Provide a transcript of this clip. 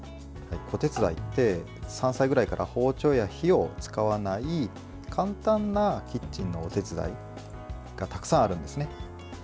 子手伝いって、３歳くらいから包丁や火を使わない簡単なキッチンのお手伝いがたくさんあるんですね。